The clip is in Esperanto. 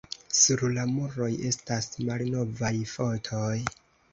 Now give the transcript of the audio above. Sur la muroj estas malnovaj fotoj.